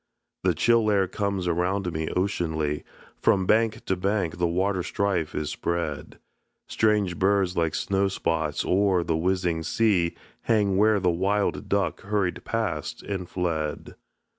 The chill air comes around me oceanly, From bank to bank the waterstrife is spread; Strange birds like snowspots oer the whizzing sea Hang where the wild duck hurried past and fled.